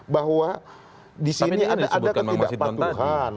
bahwa disini ada ketidakpatuhan